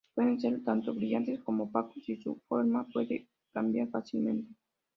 Pueden ser tanto brillantes como opacos, y su forma puede cambiar fácilmente.